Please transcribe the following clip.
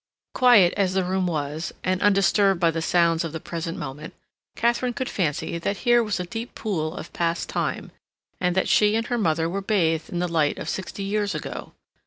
Quiet as the room was, and undisturbed by the sounds of the present moment, Katharine could fancy that here was a deep pool of past time, and that she and her mother were bathed in the light of sixty years ago.